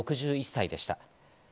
６１歳でした。